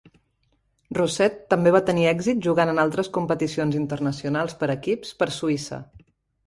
Rosset també va tenir èxit jugant en altres competicions internacionals per equips per Suïssa.